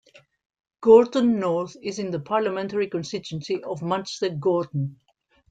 Gorton North is in the parliamentary constituency of Manchester Gorton.